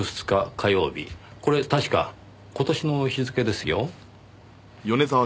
これ確か今年の日付ですよ。